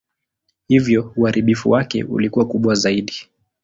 Hivyo uharibifu wake ulikuwa kubwa zaidi.